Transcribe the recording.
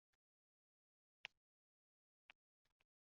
Demak, biz kitob orqali tariximizni, milliy merosu an’analarimizni